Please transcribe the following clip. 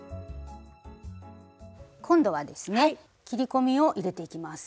今度はですね切り込みを入れていきます。